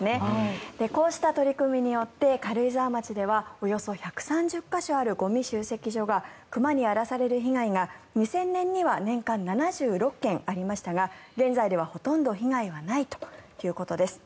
こうした取り組みによって軽井沢町ではおよそ１３０か所あるゴミ集積所が熊に荒らされる被害が２０００年には年間７６件ありましたが現在では、ほとんど被害はないということです。